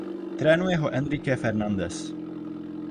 Trénuje ho Enrique Fernandez.